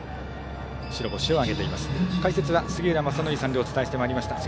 白星を挙げています。